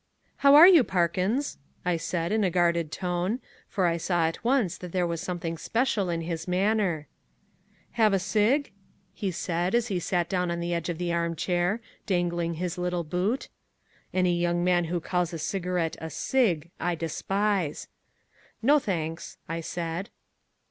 "How are you, Parkins?" I said in a guarded tone, for I saw at once that there was something special in his manner. "Have a cig?" he said as he sat down on the edge of an arm chair, dangling his little boot. Any young man who calls a cigarette a "cig" I despise. "No, thanks," I said.